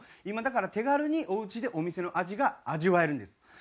今だから手軽におうちでお店の味が味わえるんです。